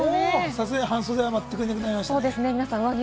さすがに半袖はまったくいなくなりましたね。